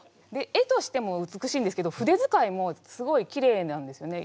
絵としても美しいんですけど筆づかいもすごいきれいなんですよね。